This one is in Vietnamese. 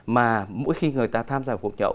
mà mỗi khi người ta tham gia cuộc nhậu